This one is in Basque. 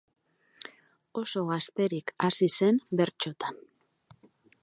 Oso gazterik hasi zen bertsotan.